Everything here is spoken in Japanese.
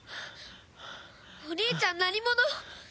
お兄ちゃん何者！？